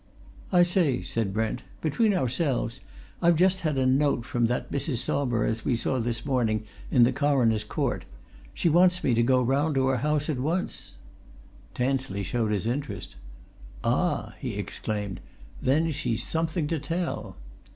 "I say," said Brent, "between ourselves, I've just had a note from that Mrs. Saumarez we saw this morning in the Coroner's Court. She wants me to go round to her house at once." Tansley showed his interest. "Ah!" he exclaimed. "Then, she's something to tell."